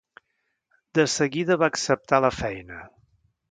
De seguida va acceptar la feina.